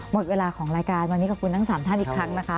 หมดเวลาของรายการวันนี้ขอบคุณทั้ง๓ท่านอีกครั้งนะคะ